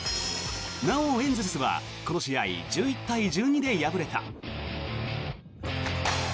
なおエンゼルスはこの試合１１対１２で敗れた。